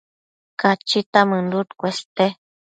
Cachita mënduc cueste